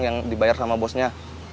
yang dibayar sama bosnya